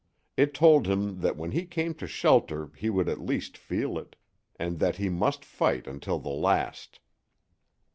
It told him that when he came to shelter he would at least feel it, and that he must fight until the last.